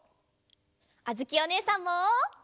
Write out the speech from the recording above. あづきおねえさんも。